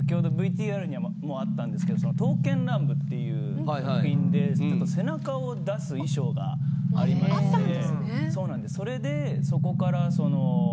ＶＴＲにもあったんですけど「刀剣乱舞」っていう作品で背中を出す衣装がありましてこの役で。